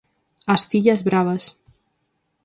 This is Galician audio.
As Fillas Bravas.